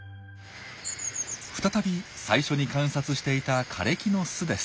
再び最初に観察していた枯れ木の巣です。